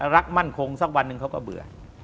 รักมั่นคงสักวันหนึ่งเขาก็เบื่อ